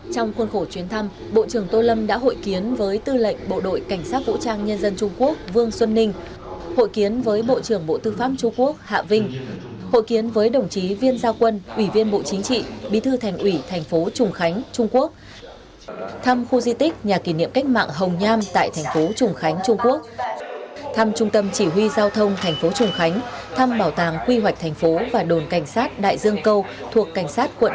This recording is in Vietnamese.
trong khuôn khổ chuyến thăm bộ trưởng tô lâm đã hội kiến với tư lệnh bộ đội cảnh sát vũ trang nhân dân trung quốc vương xuân ninh hội kiến với bộ trưởng bộ tư pháp trung quốc hạ vinh hội kiến với đồng chí viên giao quân ủy viên bộ chính trị bí thư thành ủy tp trung khánh trung quốc thăm khu di tích nhà kỷ niệm cách mạng hồng nham tại tp trung khánh trung quốc thăm trung tâm chỉ huy giao thông tp trung khánh thăm bảo tàng quy hoạch thành phố và đồn cảnh sát đại dương câu thuộc cảnh sát trung quốc